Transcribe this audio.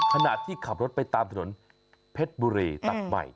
ขณะที่ขับรถไปตามถนนเพชรบุรีตักใหม่